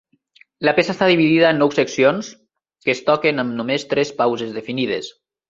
La peça està dividida en nou seccions, que es toquen amb només tres pauses definides.